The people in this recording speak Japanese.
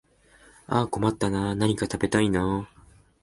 ああ困ったなあ、何か食べたいなあ